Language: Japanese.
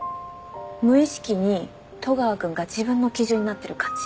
無意識に戸川君が自分の基準になってる感じ。